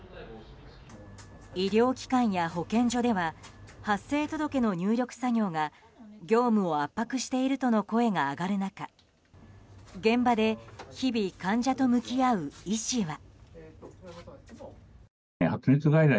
医療機関や保健所では発生届の入力作業が業務を圧迫しているとの声が上がる中現場で日々患者と向き合う医師は。